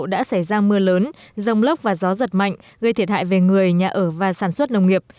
đã xảy ra mưa lớn rông lốc và gió giật mạnh gây thiệt hại về người nhà ở và sản xuất nông nghiệp